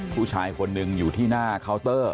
ผู้ชายคนหนึ่งอยู่ที่หน้าเคาน์เตอร์